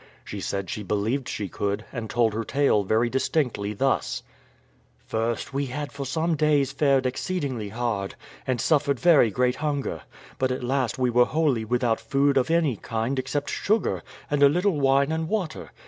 She said she believed she could, and told her tale very distinctly thus: "First, we had for some days fared exceedingly hard, and suffered very great hunger; but at last we were wholly without food of any kind except sugar, and a little wine and water.